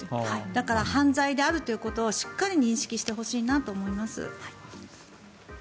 だから犯罪であるということをしっかり認識してほしいと思います。